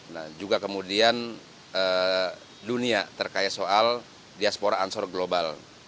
nah juga kemudian dunia terkait soal diaspora ansor global